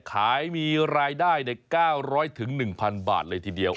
ขายมีรายได้ใน๙๐๐๑๐๐บาทเลยทีเดียว